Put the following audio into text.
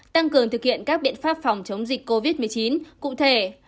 tăng cường thực hiện các biện pháp phòng chống dịch covid một mươi chín cụ thể